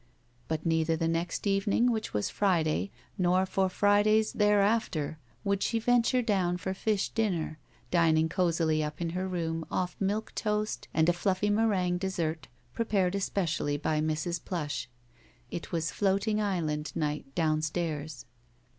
But neither the next evening, which was Friday, nor for Fridays thereafter, would she venture down for fish dinner, dining cozUy up in her room oflF milk toast and a fluffy meringue dessert prepared espe cially by Mrs. Plush. It was floating island night downstairs.